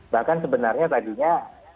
bahkan sebenarnya tadinya